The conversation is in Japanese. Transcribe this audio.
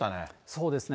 そうですね。